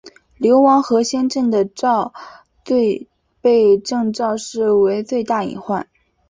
流亡河仙镇的昭最被郑昭视为最大隐患。